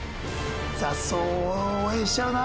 雑草を応援しちゃうな